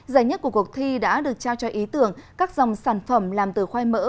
giải nhất của cuộc thi đã được trao cho ý tưởng các dòng sản phẩm làm từ khoai mỡ